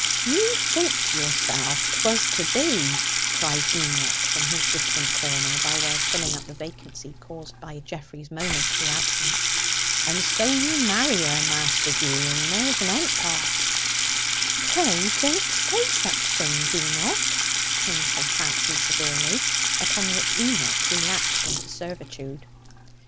"You think to yourself, 'twas to be," cried Enoch from his distant corner, by way of filling up the vacancy caused by Geoffrey's momentary absence. "And so you marry her, Master Dewy, and there's an end o't." "Pray don't say such things, Enoch," came from Fancy severely, upon which Enoch relapsed into servitude.